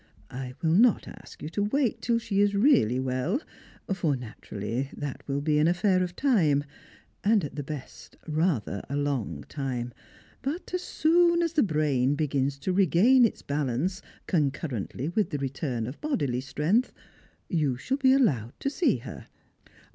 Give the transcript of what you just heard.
I will not ask you to wait tiU she is really well, for that naturally will be an affair of time, and at the best rather a long time; but as soon as the brain begins to regain its balance, concurrently with the return of bodily strength, you shall be allowed to see her.